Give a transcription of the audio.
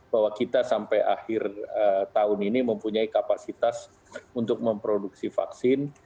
bahwa kita sampai akhir tahun ini mempunyai kapasitas untuk memproduksi vaksin